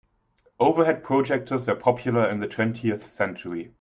Overhead projectors were popular in the twentieth century.